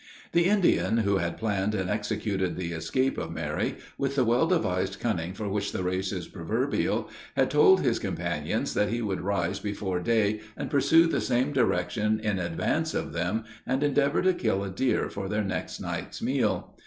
The Indian who had planned and executed the escape of Mary, with the well devised cunning for which the race is proverbial, had told his companions that he would rise before day and pursue the same direction in advance of them, and endeavor to kill a deer for their next night's meal.